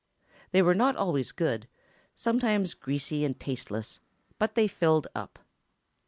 They were not always good—sometimes greasy and tasteless, but they filled up.